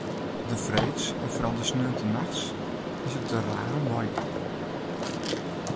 De freeds en foaral de sneontenachts is it der raar om wei gien.